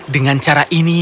dengan cara ini